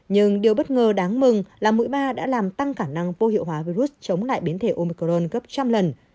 nhưng điều bất ngờ đáng mừng là mũi ba đã làm tăng khả năng vô hiệu hóa virus chống lại biến thể omicron gấp trăm lần